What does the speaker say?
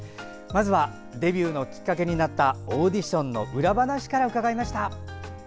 まずはデビューのきっかけになったオーディションの裏話から伺いました。